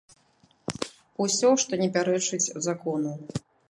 Усё, што не пярэчыць закону.